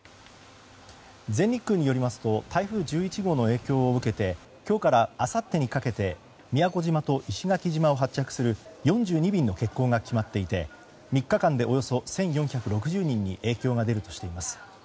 全日空によりますと台風１１号の影響を受けて今日からあさってにかけて宮古島と石垣島を発着する４２便の欠航が決まっていて３日間でおよそ１４６０人に影響が出るとしています。